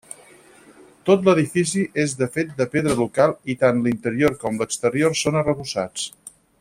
Tot l'edifici és fet de pedra local i tant l'interior com l'exterior són arrebossats.